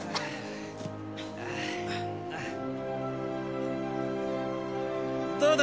ああどうだ？